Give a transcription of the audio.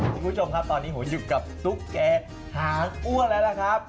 คุณผู้ชมครับตอนนี้ผมอยู่กับตุ๊กแกหางอ้วนแล้วล่ะครับ